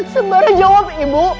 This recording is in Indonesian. sembara jawab ibu